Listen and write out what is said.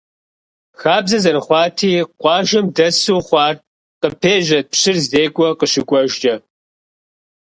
Хабзэ зэрыхъуати, къуажэм дэсу хъуар къыпежьэт пщыр зекӀуэ къыщыкӀуэжкӀэ.